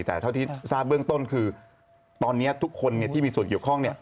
แต่เท่าที่ทราบเบื้องต้นคือตอนนี้ทุกคนที่มีส่วนเกี่ยวข้อง